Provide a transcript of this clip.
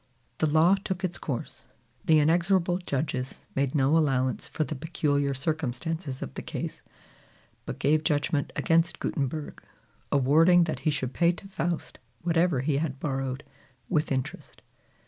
The law took its course. The inexorable judges made no allowance for the peculiar circumstances of the case, but gave judgment against Gutenberg, awarding that he should pay to Faust whatever he had borrowed, with interest.